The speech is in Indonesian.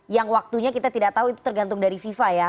yang waktunya kita tidak tahu itu tergantung dari fifa ya